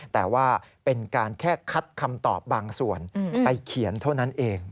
แต่ว่าเป็นการแค่คัดคำตอบบางส่วนไปเขียนเท่านั้นเอง